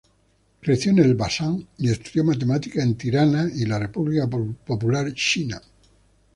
Creció en Elbasan y estudió matemáticas en Tirana y la República Popular China.